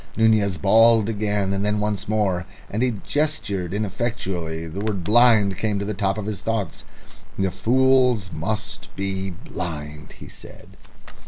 Nunez bawled again, and then once more, and as he gestured ineffectually the word "blind" came up to the top of his thoughts. "The fools must be blind," he said.